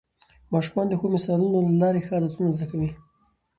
ماشومان د ښو مثالونو له لارې ښه عادتونه زده کوي